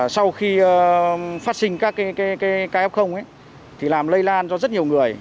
sau khi phát sinh các f thì làm lây lan cho rất nhiều người